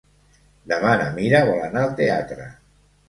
Demà na Mira vol anar al teatre.